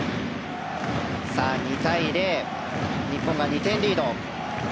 ２対０、日本が２点リード。